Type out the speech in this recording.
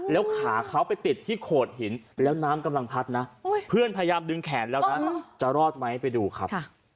แล้วขาเขาไปติดที่โขดหินแล้วน้ำกำลังพัดนะเพื่อนพยายามดึงแขนแล้วนะจะรอดไหมไปดูครับ